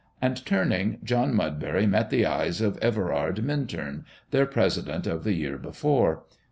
And, turning, John Mudbury met the eyes of Everard Minturn, their President of the year before.